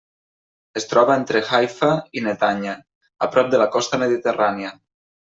Es troba entre Haifa i Netanya, a prop de la costa mediterrània.